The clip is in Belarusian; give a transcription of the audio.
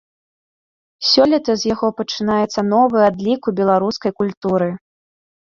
Сёлета з яго пачынаецца новы адлік у беларускай культуры.